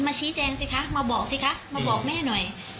ชี้แจงสิคะมาบอกสิคะมาบอกแม่หน่อย